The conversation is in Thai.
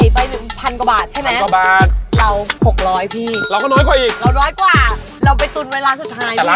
ปลา